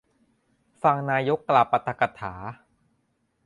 ฟังนายกกล่าวปาฐกถา